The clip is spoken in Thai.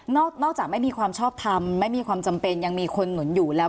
นอกจากไม่มีความชอบทำไม่มีความจำเป็นยังมีคนหนุนอยู่แล้ว